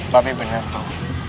tapi bener tuh